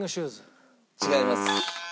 違います。